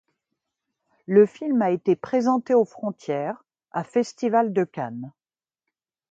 Le film a été présenté aux Frontières à Festival de Cannes.